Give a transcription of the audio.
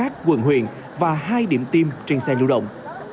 tất cả các quận huyện và hai điểm tiêm trên xe lưu động